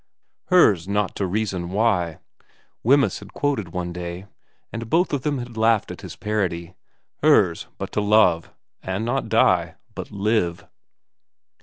'" Hers not to reason why," ' Wemyss had quoted one day, and both of them had laughed at his parody, '" hers but to love and not die, but live."